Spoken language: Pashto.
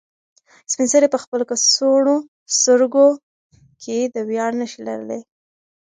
سپین سرې په خپل کڅوړنو سترګو کې د ویاړ نښې لرلې.